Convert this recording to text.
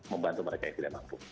membantu mereka yang tidak mampu